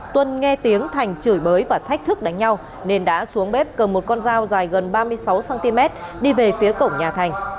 tuân nghe tiếng thành chửi bới và thách thức đánh nhau nên đã xuống bếp cầm một con dao dài gần ba mươi sáu cm đi về phía cổng nhà thành